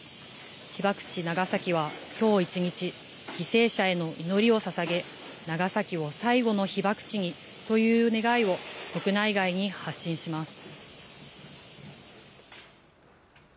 被爆地、長崎はきょう一日、犠牲者への祈りをささげ、長崎を最後の被爆地にという願いを、国内外に発信します。